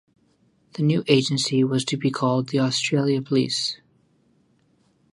The new agency was to be called the Australia Police.